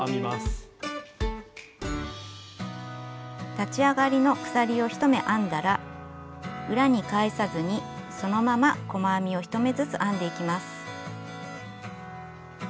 立ち上がりの鎖を１目編んだら裏に返さずにそのまま細編みを１目ずつ編んでいきます。